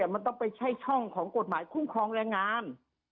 มันต้องไปใช้ช่องของกฎหมายคุ้มครองแรงงาน